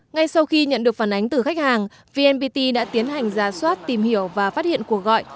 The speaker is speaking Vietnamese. ngay sau khi nhận được phản ánh từ khách hàng vnpt đã tiến hành ra soát tìm hiểu và phát hiện cuộc gọi